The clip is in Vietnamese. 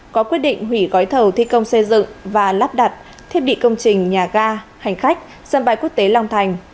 có quyết định hủy gói thầu thi công xây dựng và lắp đặt thiết bị công trình nhà ga hành khách sân bay quốc tế long thành